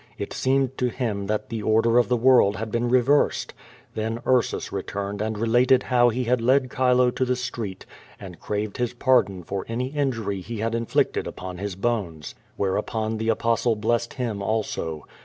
It seemed to him that the order of the world had been reversed. Then Ursus returned and related how he had led Chilo to the street, and craved his pardon for any injury he had inflicted upon hw bones. Wliereupon the Apostle l)lessed him also.